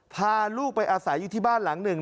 พาลูกไปอาศัยอยู่ที่บ้านหลังหนึ่ง